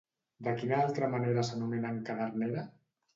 De quina altra manera s'anomena a en Cadernera?